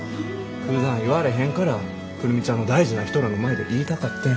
ふだん言われへんから久留美ちゃんの大事な人らの前で言いたかってん。